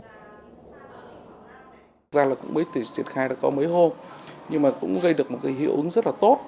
thực ra là cũng mới triển khai đã có mấy hôm nhưng mà cũng gây được một cái hiệu ứng rất là tốt